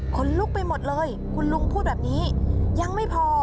คนลุกไปหมดเลยคุณลุงพูดแบบนี้ยังไม่พอ